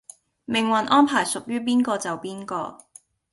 命運安排屬於邊個就邊個